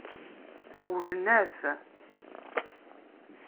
Rewlen-as.